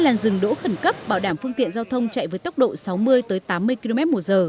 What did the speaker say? hai làn rừng đỗ khẩn cấp bảo đảm phương tiện giao thông chạy với tốc độ sáu mươi tám mươi kmh